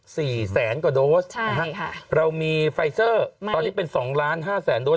สี่แสนกว่าโดสใช่ค่ะเรามีไฟเซอร์ตอนนี้เป็นสองล้านห้าแสนโดส